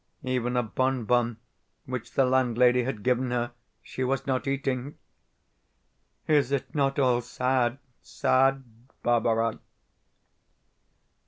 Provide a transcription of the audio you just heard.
Even a bon bon which the landlady had given her she was not eating. Is it not all sad, sad, Barbara?